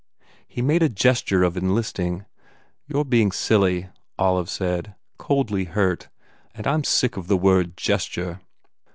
He made a gesture of enlisting " "You re being silly," Olive said, coldly hurt, "and I m sick of the word, gesture.